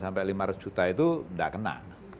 sampai lima ratus juta itu tidak kena